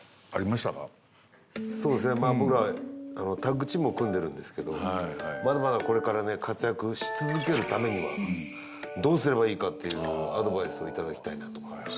まあ僕らはタッグチームを組んでるんですけどまだまだこれからね活躍し続けるためにはどうすればいいかっていうのをアドバイスを頂きたいなと思いまして。